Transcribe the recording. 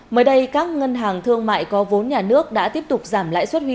mới đây các ngân hàng thương mại có vốn nhà nước đã tiếp tục phát huy những kết quả